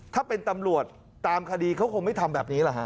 ถ้าเป็นตำรวจตามคดีเขาคงไม่ทำแบบนี้แหละฮะ